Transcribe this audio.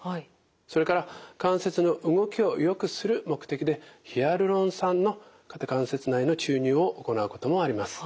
それから関節の動きをよくする目的でヒアルロン酸の肩関節内の注入を行うこともあります。